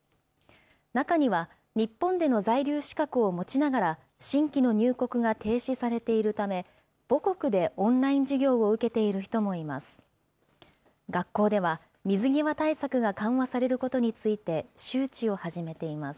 中には、日本での在留資格を持ちながら、新規の入国が停止されているため、母国でオンライン授業を受けている人もいます。